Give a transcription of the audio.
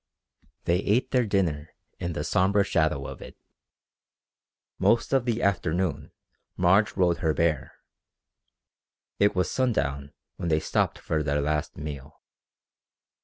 They ate their dinner in the sombre shadow of it. Most of the afternoon Marge rode her bear. It was sundown when they stopped for their last meal.